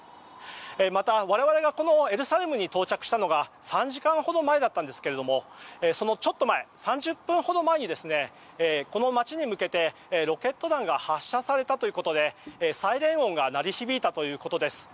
また我々がこのエルサレムに到着したのが３時間ほど前でしたがそのちょっと前、３０分ほど前にこの街に向けてロケット弾が発射されたということでサイレン音が鳴り響いたということです。